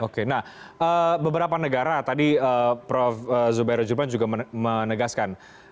oke nah beberapa negara tadi prof zubairo juban juga menegaskan